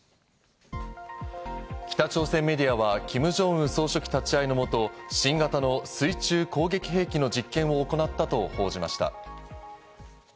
北朝鮮メディアはキム・ジョンウン総書記立ち会いのもと、新型の水中攻撃兵器の実験を行ったと報じました。